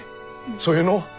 そういうの。